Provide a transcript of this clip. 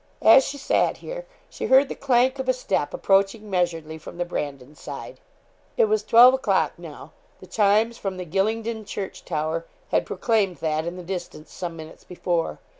As she sat here she heard the clank of a step approaching measuredly from the Brandon side. It was twelve o'clock now; the chimes from the Gylingden church tower had proclaimed that in the distance some minutes before.